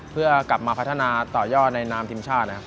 เพื่อกลับมาพัฒนาต่อยอดในนามทีมชาตินะครับ